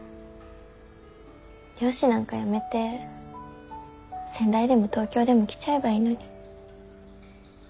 漁師なんかやめて仙台でも東京でも来ちゃえばいいのに。